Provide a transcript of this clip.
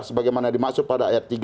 sebagaimana dimaksud pada ayat tiga